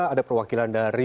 ada perwakilan dari